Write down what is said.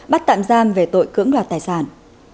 bắt tạm giam về tội cưỡng đoạt tài sản